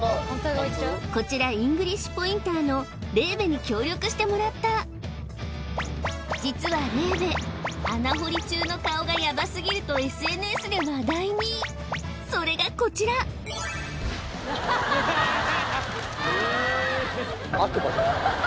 こちらイングリッシュ・ポインターのレーヴェに協力してもらった実はレーヴェ穴掘り中の顔がヤバすぎるとＳＮＳで話題にそれがこちらえーっ